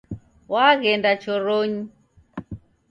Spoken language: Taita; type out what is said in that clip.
Waghenda choronyi